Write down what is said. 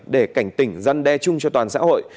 để cảnh tỉnh giăn đe chung cho toàn xã hội